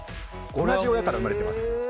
同じ親から生まれてます。